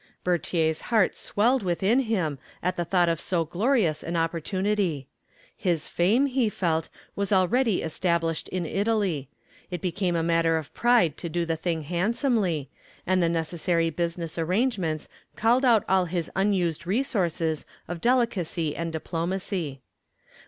Bertier's heart swelled within him at the thought of so glorious an opportunity. His fame, he felt, was already established in Italy. It became a matter of pride to do the thing handsomely, and the necessary business arrangements called out all his unused resources of delicacy and diplomacy.